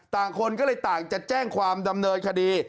คนก็เลยต่างจะแจ้งความดำเนินคดี